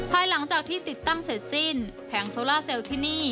และหลังจากที่ติดตั้งเสร็จสิ้น